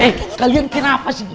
eh kalian kenapa sih